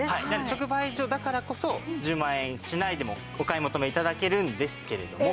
直売所だからこそ１０万円しないでもお買い求め頂けるんですけれども。